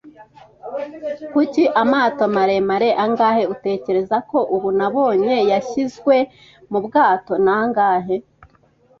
“Kuki, amato maremare angahe, utekereza ko ubu, nabonye yashyizwe mu bwato? Nangahe